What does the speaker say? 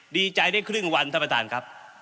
ดีใจได้ครึ่งวันท่านประธานครับ